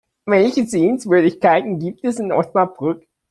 Welche Sehenswürdigkeiten gibt es in Osnabrück?